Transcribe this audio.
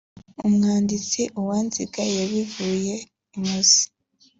Umwanditsi Uwanziga yabivuye imuzi